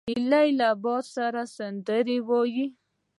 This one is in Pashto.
هیلۍ له باد سره سندرې وايي